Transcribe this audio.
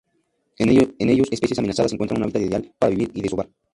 En ellos especies amenazadas encuentran un hábitat ideal para vivir y desovar.